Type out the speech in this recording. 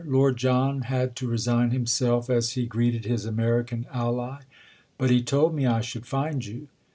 Lord John had to resign himself as he greeted his American ally. "But he told me I should find you."